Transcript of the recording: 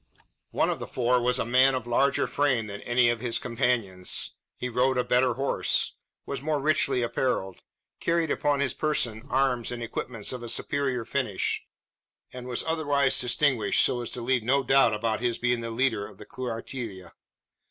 One of the four was a man of larger frame than any of his companions. He rode a better horse; was more richly apparelled; carried upon his person arms and equipments of a superior finish; and was otherwise distinguished, so as to leave no doubt about his being the leader of the cuartilla.